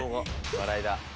笑いだ。